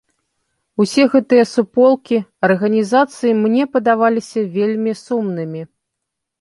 Усе гэтыя суполкі, арганізацыі мне падаваліся вельмі сумнымі.